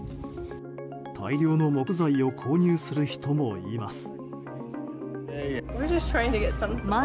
大量の木材を購入する人もいます。